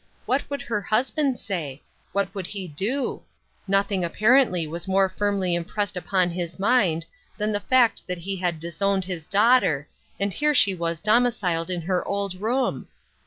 What would her husband say ? What would he do ? Nothing apparently was more firmly impressed upon his mind than the fact that he had disowned his daughter, and here she was domiciled in her old room